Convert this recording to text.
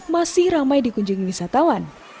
masih ramai dikunjungi wisatawan